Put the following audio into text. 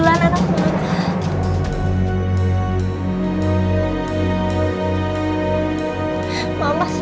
dia berubah barriers tv